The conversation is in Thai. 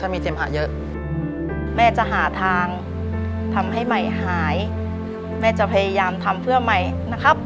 แม่จะหาทางทำให้ไหมหายแม่จะพยายามทำเพื่อไหมนะครับ